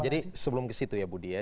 jadi sebelum ke situ ya budi ya